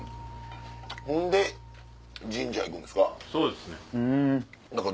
ほんで神社行くんですか？